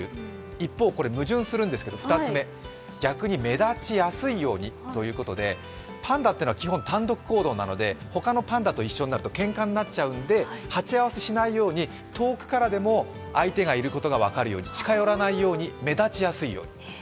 一方、矛盾しているんですが、逆に目立ちやすいようにということでパンダっていうのは基本、単独行動なので他のパンダと一緒になるとけんかになってしまうので、鉢合わせしないように遠くからでも相手がいることが分かるように近寄らないように目立ちやすいように。